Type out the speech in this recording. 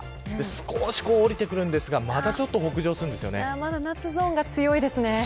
少し下りてくるんですがまたちょっとまだ夏ゾーンが強いですね。